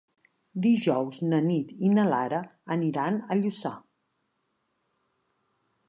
Dijous na Nit i na Lara aniran a Lluçà.